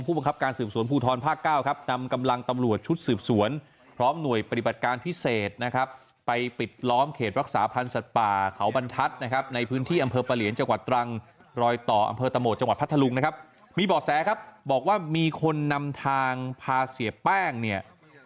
บังคับการสืบสวนภูทรภาคเก้าครับนำกำลังตำรวจชุดสืบสวนพร้อมหน่วยปฏิบัติการพิเศษนะครับไปปิดล้อมเขตรักษาพันธ์สัตว์ป่าเขาบรรทัศน์นะครับในพื้นที่อำเภอปะเหลียนจังหวัดตรังรอยต่ออำเภอตะโหมดจังหวัดพัทธลุงนะครับมีบ่อแสครับบอกว่ามีคนนำทางพาเสียแป้งเนี่ย